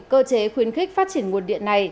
cơ chế khuyến khích phát triển nguồn điện này